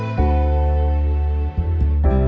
aku mau ke sana